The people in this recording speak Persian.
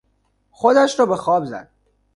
خودش را به خواب زد.